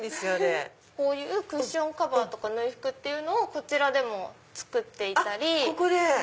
こういうクッションカバーとかをこちらでも作っていたり。